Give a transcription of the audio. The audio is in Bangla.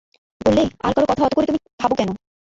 বললে, আর-কারো কথা অত করে তুমি ভাব কেন।